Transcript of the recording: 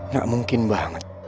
gak mungkin banget